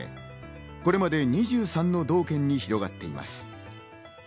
これまで２３の道県に広がっています。